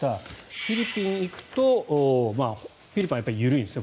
フィリピンに行くとフィリピンは緩いんですね